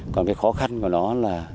còn cái khó khăn của nó là